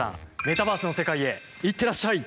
メタバースの世界へいってらっしゃい。